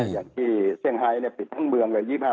อย่างที่เซียงไฮท์ปิดทั้งเมืองเลย๒๕๐๐๐คน